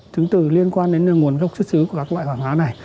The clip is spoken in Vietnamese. chứng từ liên quan đến nguồn gốc xuất xứ của các loại quả má này